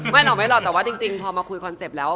ไม่หรอกแต่ว่าจริงพอมาคุยคอนเซ็ปต์แล้ว